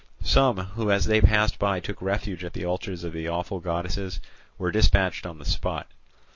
Some who as they passed by took refuge at the altars of the awful goddesses were dispatched on the spot.